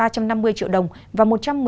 ba trăm năm mươi triệu đồng và một trăm một mươi